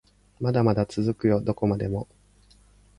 まだまだ続くよどこまでも